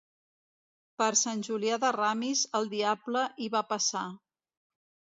Per Sant Julià de Ramis, el diable hi va passar.